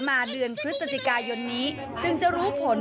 มาเดือนพฤศจิกายนนี้จึงจะรู้ผล